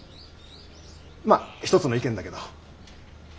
まあ一つの意見だけど。